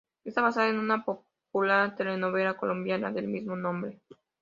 Está basada en una popular telenovela colombiana del mismo nombre.